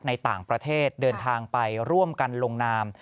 ในต่างประเทศเดินทางไปร่วมกันลงนาม